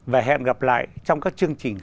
và hẹn gặp lại trong các chương trình